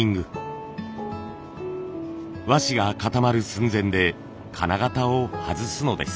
和紙が固まる寸前で金型を外すのです。